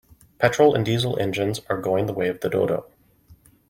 Petrol and Diesel engines are going the way of the dodo.